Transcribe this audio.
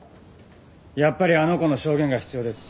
やっぱりあの子の証言が必要です。